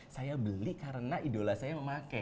saya beli karena idola saya memakai